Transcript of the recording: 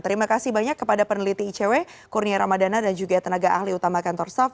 terima kasih banyak kepada peneliti icw kurnia ramadana dan juga tenaga ahli utama kantor staff